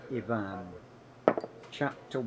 Ivan Chapter I.